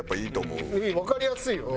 わかりやすいよね。